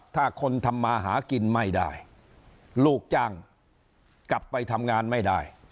ถ้าคนทำมาหากินไม่ได้ลูกจ้างกลับไปทำงานไม่ได้